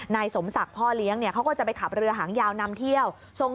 นายสมศักดิ์พ่อเลี้ยงเขาก็จะไปขับเรือหางยาวนำเที่ยว